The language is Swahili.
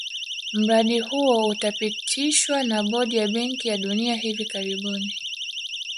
Mradi huo utapitishwa na bodi ya benki ya dunia hivi karibuni